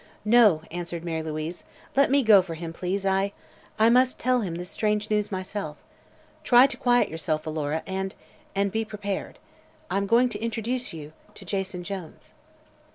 "No," answered Mary Louise. "Let me go for him, please. I I must tell him this strange news myself. Try to quiet yourself, Alora, and and be prepared. I'm going to introduce to you Jason Jones."